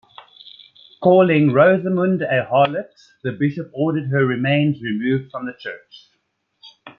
Calling Rosamund a harlot, the bishop ordered her remains removed from the church.